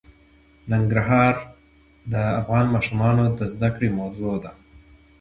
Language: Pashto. ننګرهار د افغان ماشومانو د زده کړې موضوع ده.